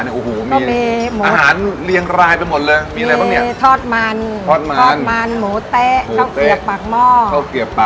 เนี่ยอูหูมีมาหมดอาหารเรียงรายไปหมดเลย